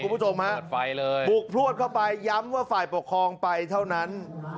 บุกพลวดเข้าไปย้ำว่าฝ่ายปกครองไปเท่านั้น